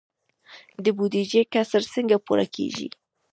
د بودیجې کسر څنګه پوره کیږي؟